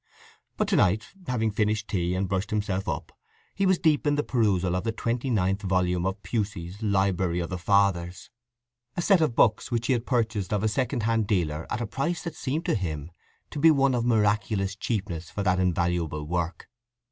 But to night, having finished tea and brushed himself up, he was deep in the perusal of the Twenty ninth Volume of Pusey's Library of the Fathers, a set of books which he had purchased of a second hand dealer at a price that seemed to him to be one of miraculous cheapness for that invaluable work.